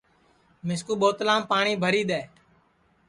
مِسکُو ٻوتلِیم پاٹؔی بھری دؔے